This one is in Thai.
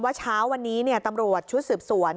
เช้าวันนี้ตำรวจชุดสืบสวน